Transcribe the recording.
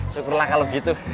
syukurlah kalau gitu